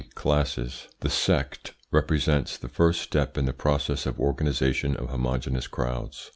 Classes. The SECT represents the first step in the process of organisation of homogeneous crowds.